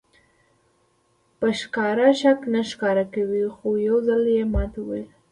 په ښکاره شک نه ښکاره کوي خو یو ځل یې ماته وویل.